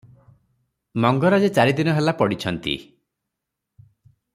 ମଙ୍ଗରାଜେ ଚାରିଦିନ ହେଲା ପଡ଼ିଛନ୍ତି ।